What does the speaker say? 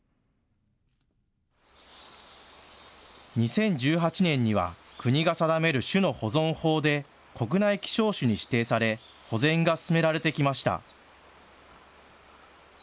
２０１８年には国が定める種の保存法で国内希少種に指定され、保全が進められてきました。